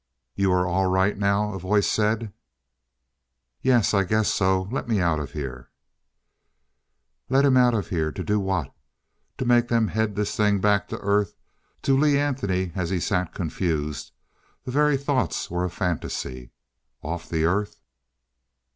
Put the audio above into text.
"You are all right now?" a voice said. "Yes. I guess so. Let me out of here " Let him out of here? To do what? To make them head this thing back to Earth.... To Lee Anthony as he sat confused, the very thoughts were a fantasy.... Off the Earth!